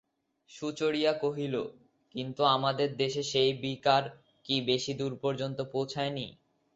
সুচরিতা কহিল, কিন্তু আমাদের দেশে সেই বিকার কি বেশি দূর পর্যন্ত পৌঁছয় নি?